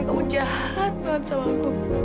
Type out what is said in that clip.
aku jahat banget sama aku